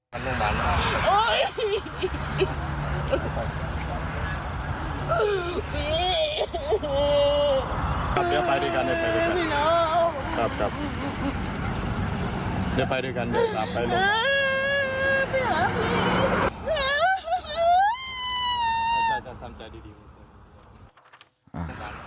ครับจะไปด้วยกันเดี๋ยวตามไปเลย